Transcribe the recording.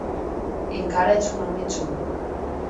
Encara ets un home jove.